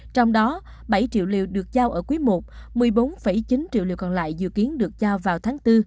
trong đó bảy triệu liều được giao ở quý i một mươi bốn chín triệu liều còn lại dự kiến được cho vào tháng bốn